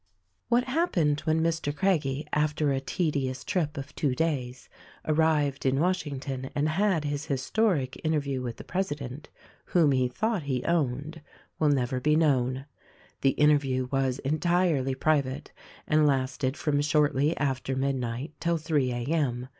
What happened when Mr. Craggie, after a tedious trip of two days, arrived in Washington and had his historic interview with the president — whom he thought he owned — will never be known. The interview was entirely private and lasted from shortly after midnight till three A. M.